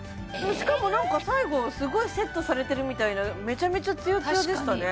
しかもなんか最後すごいセットされてるみたいなめちゃめちゃツヤツヤでしたね